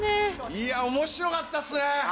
いや面白かったですね。